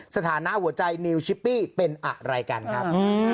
สถานะหัวใจนิวชิปปี้เป็นอะไรกันครับ